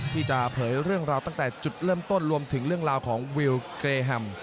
ที่จะเผยเรื่องราวตั้งแต่จุดเริ่มต้นรวมถึงเรื่องราวของวิวเกรแฮม